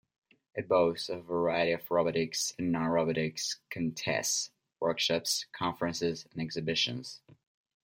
It boasts of a variety of robotics and non-robotics contests, workshops, conferences and exhibitions.